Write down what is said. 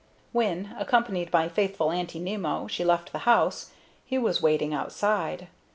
When, accompanied by faithful Aunty Nimmo, she left the house, he was waiting outside.